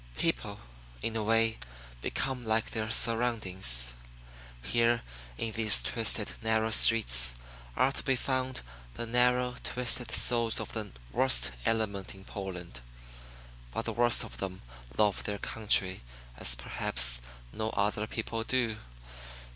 People, in a way, become like their surroundings. Here in these twisted, narrow streets are to be found the narrow, twisted souls of the worst element in Poland; but the worst of them love their country as perhaps no other people do.